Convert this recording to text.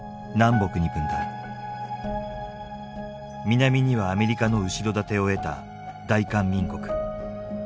南にはアメリカの後ろ盾を得た大韓民国。